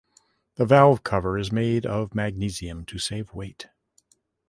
The valve cover is made of magnesium to save weight.